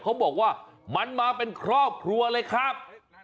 เขาบอกว่ามันมาเป็นครอบครัวเลยครับ